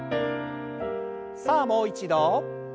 さあもう一度。